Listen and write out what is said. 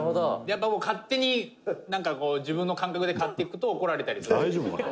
勝手に、なんか、こう自分の感覚で買っていくと怒られたりするんですよ」